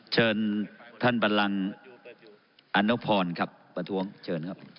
เชิญท่านบันลังอนุพรครับประท้วงเชิญครับ